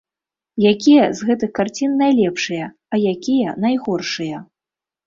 Якія з гэтых карцін найлепшыя, а якія найгоршыя?